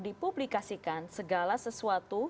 dipublikasikan segala sesuatu